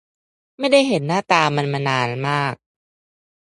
ไม่ได้เห็นหน้าตามันมานานมาก